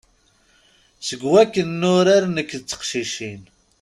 Seg wakken nurar nekk d teqcicin.